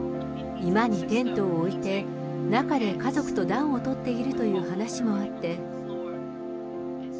居間にテントを置いて、中で家族と暖を取っているという話もあって。